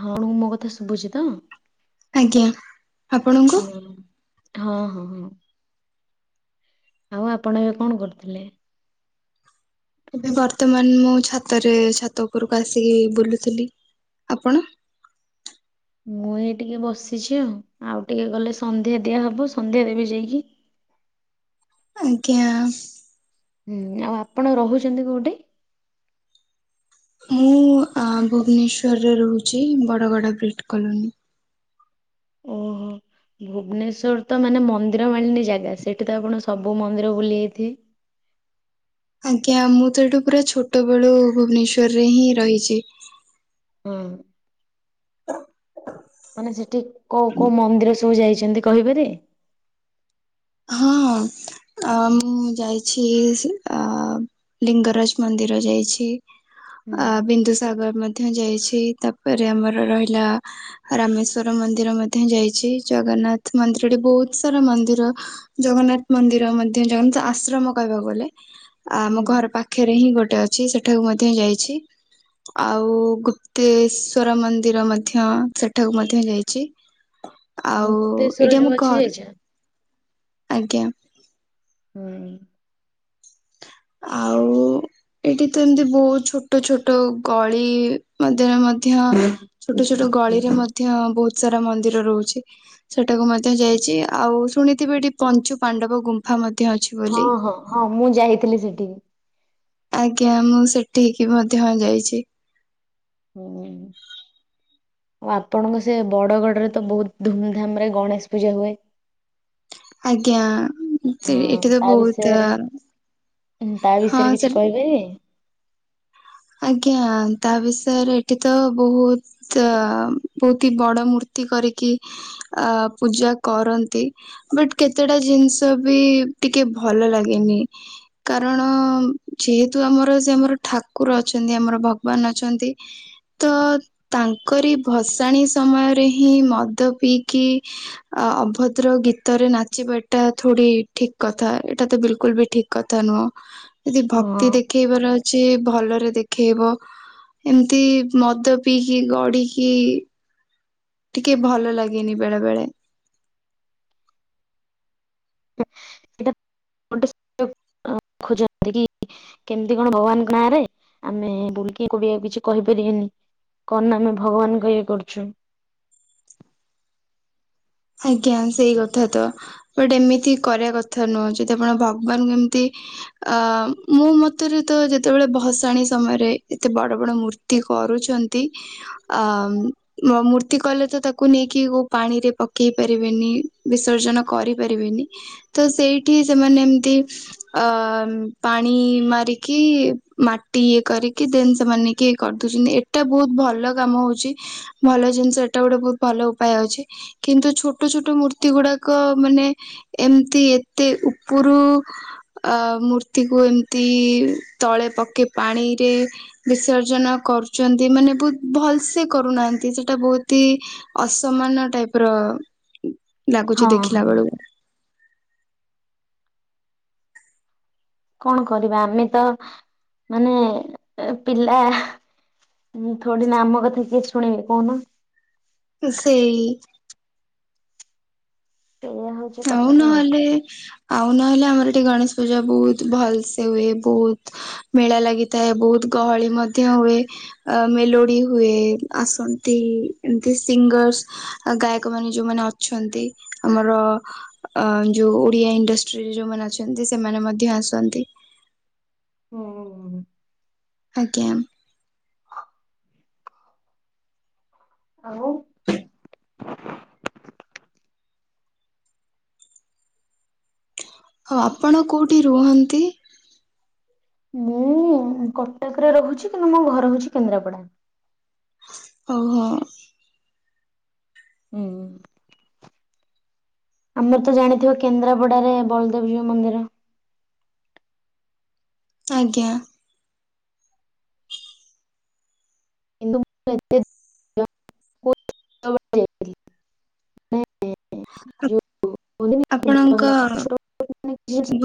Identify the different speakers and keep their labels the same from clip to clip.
Speaker 1: ହଉ ମୋ କଥା ଶୁଭୁଛି ତ?
Speaker 2: ଆଜ୍ଞା ଆପଣଙ୍କୁ?
Speaker 1: ହଁ ହଁ- ହଁ- ହଁ। ଆଉ ଆପଣ ଏବେ କଣ କରୁଥିଲେ?
Speaker 2: ଏବେ ବର୍ତ୍ତମାନ ମୁଁ, ଛାତରେ ଛାତ ଉପରକୁ ଆସିକି ବୁଲୁଥିଲି। ଆପଣ?
Speaker 1: ମୁଁ ଏଇ ଟିକେ ବସିଛି ଆଉ। ଆଉ ଟିକେ ଗଲେ ସନ୍ଧ୍ୟା ଦିଆ ହବ, ସନ୍ଧ୍ୟା ଦେବି ଯାଇକି।
Speaker 2: ଆଜ୍ଞା।
Speaker 1: ହୁଁ ଆଉ ଆପଣ ରହୁଛନ୍ତି କୋଉଠି?
Speaker 2: ମୁଁ ଭୁବନେଶ୍ଵରରେ ରହୁଛି, ବରଗଡ ବିଟ୍ କଲୋନୀ।
Speaker 1: ଓହୋ। ଭୁବନେଶ୍ଵର ତ ମାନେ ମନ୍ଦିର ମାଳିନୀ ଜାଗା, ସେଠି ତ ଆପଣ ସବୁ ମନ୍ଦିର ବୁଲି ଯାଇଥିବେ?
Speaker 2: [inaudible] ଆଜ୍ଞା ମୁଁ ତ ଏଇଠୁ, ପୁରା ଛୋଟ ବେଳୁ ଭୁବନେଶ୍ଵରରେ ହିଁ ରହିଛି।
Speaker 1: ହୁଁ।
Speaker 2: ହ [inaudible]
Speaker 1: ମାନେ ସେଠି କୋଉ କୋଉ ମନ୍ଦିର ସବୁ ଯାଇଛନ୍ତି କହିପାରିବେ?
Speaker 2: ହଁ। ଅ ମୁଁ ଯାଇଛି, ଅ ଲିଙ୍ଗରାଜ ମନ୍ଦିର ଯାଇଛି।
Speaker 1: ହୁଁ
Speaker 2: ଆ ବିନ୍ଦୁସାଗର ମଧ୍ୟ ଯାଇଛି, ତାପରେ ଆମର ରହିଲା ରାମେଶ୍ଵର ମନ୍ଦିର ମଧ୍ୟ ଯାଇଛି। ଜଗନ୍ନାଥ ମନ୍ଦିର, ଏଠି ବହୁତ ସାରା ମନ୍ଦିର। ଜଗନ୍ନାଥ ମନ୍ଦିର ମଧ୍ୟ ଜଗନ୍ନାଥ ଆଶ୍ରମ କହିବାକୁ ଗଲେ।
Speaker 1: ହୁଁ
Speaker 2: ଆମ ଘର ପାଖରେ ହିଁ ଗୋଟେ ଅଛି ସେଠାକୁ ମଧ୍ୟ ଯାଇଛି। ଆଉ ଗୁପ୍ତେଶ୍ଵର ମନ୍ଦିର ମଧ୍ୟ ସେଠାକୁ ମଧ୍ୟ ଯାଇଛି। ଆଉ-ଉ-ଉ
Speaker 1: ମୁକ୍ତେଶ୍ଵର
Speaker 2: ଏଟା
Speaker 1: ଯୋଉ
Speaker 2: ମୁଁ
Speaker 1: ଅଛି
Speaker 2: ଘରୁ,
Speaker 1: ଯାଇଛ?
Speaker 2: ଆଜ୍ଞା
Speaker 1: ହଁ।
Speaker 2: ଆଉ-ଉ-ଉ-ଉ-ଉ ଏଇଠି ତ ଏମିତି ବହୁତ ଛୋଟ ଛୋଟ ଗଳି ମଧ୍ୟରେ ମଧ୍ୟ ଛୋଟ ଛୋଟ ଛୋଟ ଗଳିରେ ମଧ୍ୟ ବହୁତ ସାରା ମନ୍ଦିର ରହୁଛି। ସେଟାକୁ ମଧ୍ୟ ଯାଇଛି। ଆଉ ଶୁଣି ତେବେ ଏଠି ପଞ୍ଚୁ ପାଣ୍ଡବ ଗୁମ୍ଫା ମ
Speaker 1: ହଁ ହଁ ହଁ ମୁଁ ଯାଇଥିଲି ସେଠିକି।
Speaker 2: ଆଜ୍ଞା ମୁଁ ସେଠକି ମଧ୍ୟ ଯାଇଛି।
Speaker 1: ହୁ, ଆଉ ଆପଣଙ୍କ ସେ ବଡଗଡରେ ତ ବହୁତ ଧୁମଧାମ ରେ ଗଣେଶ ପୂଜା ହୁଏ।
Speaker 2: ଆଜ୍ଞା ଏମିତି ଏଠି ତ ବହୁତ
Speaker 1: ଉ ତା
Speaker 2: ହଁ
Speaker 1: ବିଷୟରେ
Speaker 2: ସେ
Speaker 1: କିଛି କହିବେ?
Speaker 2: ଆଜ୍ଞା ତା ବିଷୟରେ ଏଠି ତ ବହୁତ ବହୁତ ହି ବଡ ମୂର୍ତ୍ତି ତି କରିକି ଆ ପୂଜା କରନ୍ତି ବଟ୍ କେତେଟା ଜିନିଷ ବି ଟିକେ ଭଲ ଲାଗେନି କାରଣ ଯେହେତୁ ଆମର ସେ ଆମର ଠା କୁର ଅଛନ୍ତି ଆମର ଭଗବାନ ଅଛନ୍ତି, ତ ତାଙ୍କରି ଭସାଣି ସମୟରେ ହିଁ ମଦ ପିଇକି ଅଭଦ୍ର ଗୀତରେ ନାଚିବାଟା ଏଟା ଥୋଡ଼ି ଠିକ୍ କଥା ଏଇଟା ତ ବିଲକୁଲ୍ ବି ଠିକ୍ କଥା ନୁହଁ। ଯଦି
Speaker 1: ହଁ
Speaker 2: ଭକ୍ତି ଦେଖେଇବାର ଅଛି ଭଲରେ ଦେଖେଇବ, ଏମିତି ମଦ ପିଇକି, ଗଡିକି ଟିକେ ଭଲ ଲାଗେନି ବେଳେ ବେଳେ।
Speaker 1: [inaudible] କେମିତି କଣ ଭଗବାନଙ୍କ ନାଁରେ ଆମେ ବୁଲିକି [unintelligible] କିଛି କହିପାରିବେନି। କଣ ନା ଆମେ ଭଗବାନଙ୍କ ଇଏ କରୁଚୁ।
Speaker 2: ଆଜ୍ଞା ସେଇ କଥା ତ ବଟ ଏମିତି କରିବା କଥା ନୁହଁ ଯଦି ଭଗବାନଙ୍କୁ ଏମିତି ଅ ମୋ ମତରେ ତ ଯେତେବେଳେ ଭସାଣି ସମୟରେ ଏତେ ବଡ ବଡ ମୂର୍ତ୍ତି ହୋ କରୁଚନ୍ତି ଆ ମ ମୂର୍ତ୍ତି କଲେ ତ ତାକୁ ନେଇକି କୋଉ ପାଣିରେ ପ କେଇ ପାରିବେନି ବିସର୍ଜନ କରିପାରିବେନି। ତ ସେଇଠି ସେମାନେ ଏମତି ଅ-ଅ-ଅ ପାଣି ମାରିକି ମାଟି ଇଏ କରିକି ଦେନ୍ ସେମାନେ ନେଇକି କରିଦଉ ଏଟା ବହୁତ ଭଲ କାମ ହଉଛି, ଭଲ ଜିନିଷ ଏଟା ଗୋଟେ ବହୁତ ଭଲ ଉପାୟ ଅଛି। କିନ୍ତୁ ଛୋଟ ଛୋଟ ମୂର୍ତ୍ତି ଗୁଡାକ ମାନେ ଏମିତି ଏତେ ଉପରୁ ଅ ମୂର୍ତ୍ତିକୁୁ ଏମିତି ତଳେ ପକେଇ ପାଣିରେ ବିସର୍ଜନ କରୁଚନ୍ତି ମାନେ ବହୁତ ଭଲ ସେ କରୁନାହାନ୍ତି ସେଟା ବହୁତି ଅସମାନ ଟାଇପ୍ ର ଲାଗୁଚି
Speaker 1: ହଁ
Speaker 2: ଦେଖିଲା
Speaker 1: ହଁ
Speaker 2: ବେଳକୁ।
Speaker 1: କଣ କରିବା ଆମେ ତ ମାନେ ଏ ପିଲା ଉ ଥୋଡି ନା ଆମ କଥା କିଏ ଶୁଣିବେ କହୁନ।
Speaker 2: ସେଇ-ଇ-ଇ-ଇ
Speaker 1: ଏଇଆ ହଉଛି
Speaker 2: ଆଉ
Speaker 1: କଥା
Speaker 2: ନହେଲେ ଆଉ ନହେଲେ ଆମର ଏଠି ଗଣେଶ ପୂଜା ବହୁତ ଭଲ ସେ ହୁଏ। ବହୁତ ମେଳା ଲାଗିଥାଏ ବହୁତ ଗ ହଳି ମଧ୍ୟ ହୁଏ, ଅ ମେଲୋଡି ହୁଏ, ଆସନ୍ତି ଏମତି ସିଙ୍ଗର୍ସ। ଗାୟକ ମାନେ ଯୋଉମାନେ ଅଛନ୍ତି ଆମର ଅ ଯୋଉ ଓଡିଆ ଇଣ୍ଡଷ୍ଟ୍ରିରେ ଯୋଉମାନେ ଅଛନ୍ତି ସେମାନେ ମଧ୍ୟ ଆସନ୍ତି।
Speaker 1: ହ-ହ-ହ।
Speaker 2: ଆଜ୍ଞା।
Speaker 1: ଆଉ
Speaker 2: ଆପଣ କୋଉଠି ରୁହନ୍ତି?
Speaker 1: ମୁଁ-ଉ-ଉ କଟକରେ ରହୁଚି କିନ୍ତୁ ମୋ ଘର ହଉଚି କେନ୍ଦ୍ରାପଡା।
Speaker 2: ଓହୋ।
Speaker 1: ହୁଁ। ଆମର ତ ଜାଣିଥିବ କେନ୍ଦ୍ରାପଡାରେ ବଳଦେବ ଜୀଉ ମନ୍ଦିର।
Speaker 2: ଆଜ୍ଞା।
Speaker 1: କିନ୍ତୁ [unintelligible]
Speaker 2: ଆପଣଙ୍କ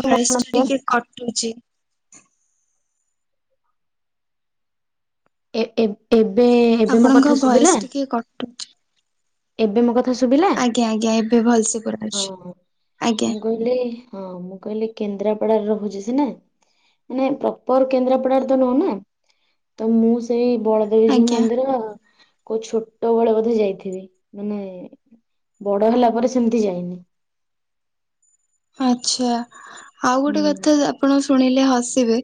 Speaker 2: ଭଏସ ଟା ଟିକେ କଟୁଚି।
Speaker 1: ଏ- ଏ-ଏବେ ଏବେ ମୋ
Speaker 2: ଆପଣଙ୍କ
Speaker 1: କଥା
Speaker 2: ଭଏସ
Speaker 1: ଶୁବିଲା
Speaker 2: ଟିକେ କଟୁଛି।
Speaker 1: ଏବେ ମୋ କ ଥା ଶୁବିଲା
Speaker 2: ଆଜ୍ଞା ଆଜ୍ଞା ଏବେ ଭଲସେ ପୁରା
Speaker 1: ହଁ
Speaker 2: ଅଛି ଆଜ୍ଞା
Speaker 1: ମୁଁ କହିଲି ହଁ ମୁଁ କହିଲି କେନ୍ଦ୍ରାପଡା ରେ ରହୁଚି ସିନା ମାନେ ପ୍ରପର କେନ୍ଦ୍ରାପଡାରେ ତ ନୁହଁ ନା। ତ ମୁଁ ସେଇ ବଳଦେବଜୀଉ
Speaker 2: ଆଜ୍ଞା
Speaker 1: ମନ୍ଦିର କୋଉ ଛୋଟବେଳେ ବୋଧେ ଯାଇଥିବି ମାନେ ବଡ ହେଲା ପରେ ସେମିତି ଯାଇନି।
Speaker 2: ଆଚ୍ଛା ଆଉ ଗୋଟେ କଥା
Speaker 1: ହୁଁ
Speaker 2: ଆପଣ ଶୁଣିଲେ ହସିବେ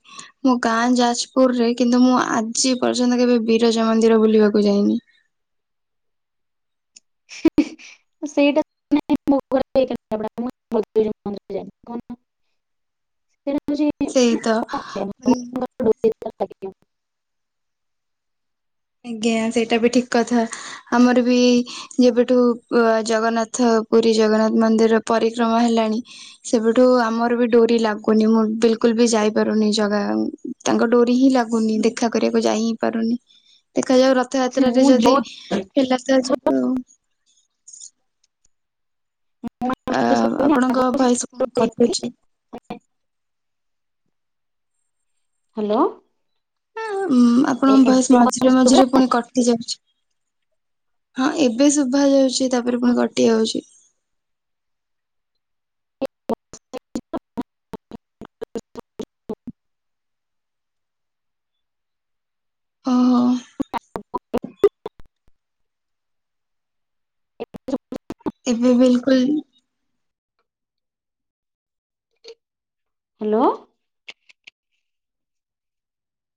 Speaker 2: ମୋ ଗାଁ ଯାଜପୁର ରେ କିନ୍ତୁ ମୁଁ ଆଜି ପର୍ଯ୍ୟନ୍ତ କେବେ ବିରଜା ମନ୍ଦି ର ବୁଲିବାକୁ ଯାଇନି।
Speaker 1: ସେଇଟା [unintelligible] [unintelligible]
Speaker 2: ସେଇ ତ ମାନେ
Speaker 1: [unintelligible]
Speaker 2: ଆଜ୍ଞା ସେଇଟା ବି ଠିକ କଥା ଆମର ବି ଯେବେଠୁ ଜଗନ୍ନାଥ ପୁରୀ ଜଗନ୍ନାଥ ମନ୍ଦିର ପରିକ୍ରମା ହେଲାଣି ସେବେଠୁ ଆମର ବି ଡୋରି ଲାଗୁନି ମୁଁ ବିଲକୁଲ ବି ଯା ଯାଇପାରୁନି ଜାଗା ତାଙ୍କ ଡୋରି ହିଁ ଲାଗୁନି ଦେଖା କରିବାକୁ ଯାଇ ହି ପାରୁନି। ଦେଖାଯାଉ ରଥଯାତ୍ରାରେ ଯଦି ହେଲା ତ ଯିବୁ ଆଉ। ଆ-ଆପଣଙ୍କ ଭଏସ ପୁଣି କଟୁଛି।
Speaker 1: ହାଲୋ।
Speaker 2: ଉଁ ଆପଣଙ୍କ ଭଏସ୍ ମଝିରେ
Speaker 1: ଶୁଭିଲା
Speaker 2: ମଝିରେ ପୁଣି କଟି ଯାଉଛି। ହଁ ଏବେ ଶୁଭା ଯାଉଚି ତାପରେ ପୁଣି କଟି ଯାଉଚି। ଓହୋ ଏବେ ବିଲକୁଲ
Speaker 1: ହାଲୋ।